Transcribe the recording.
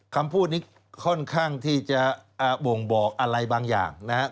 คำพูดนี้ค่อนข้างที่จะบ่งบอกอะไรบางอย่างนะครับ